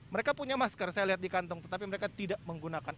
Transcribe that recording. mereka punya masker saya lihat di kantong tetapi mereka tidak menggunakan